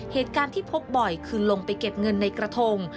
เหตุการณ์ที่พบบ่อยคือลงไปเก็บเงินในกระทง